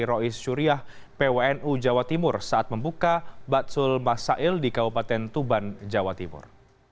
rois syuriah pwnu jawa timur saat membuka batsul masail di kabupaten tuban jawa timur